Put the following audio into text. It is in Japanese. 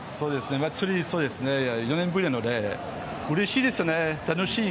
祭り、４年ぶりなのでうれしいですね、楽しい。